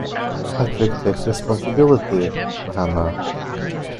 Patrick takes responsibility for Hana.